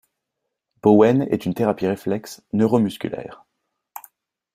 Bowen est une thérapie réflexe, neuro-musculaire.